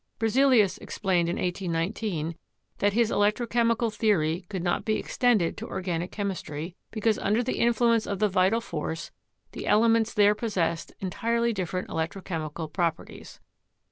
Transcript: Berzelius explained in 1819 that his electrochemical the ory could not be extended to organic chemistry, because under the influence of the vital force the elements there possessed entirely different electrochemical properties.